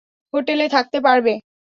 হোটেলে থাকতে পারবে?